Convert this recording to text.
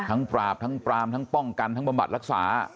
ปราบทั้งปรามทั้งป้องกันทั้งบำบัดรักษา